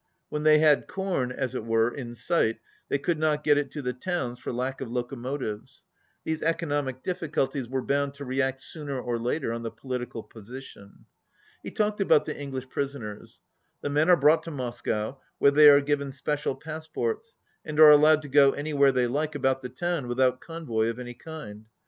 When they had corn, as it were, in sight, tjhey could not get it to the towns for lack of locomo tives. These economic difficulties were bound to react sooner or later on the political position. He talked about the English prisoners. The men are brought to Moscow, where they are given special passports and are allowed to go anywhere they like about the town without convoy of any kind.